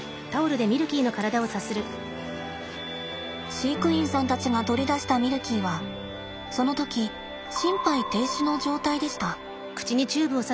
飼育員さんたちが取り出したミルキーはその時心肺停止の状態でした。